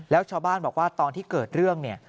แล้วชาวบ้านบอกว่าตอนที่เกิดเรื่องเนี่ย